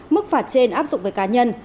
mức phạt trên áp dụng với cá nhân